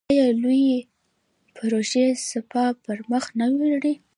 آیا لویې پروژې سپاه پرمخ نه وړي؟